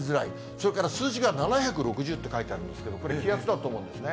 それから数字が７６０って書いてあるんですけど、これ、気圧だと思うんですね。